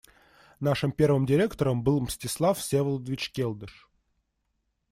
Нашим первым директором был Мстислав Всеволодович Келдыш.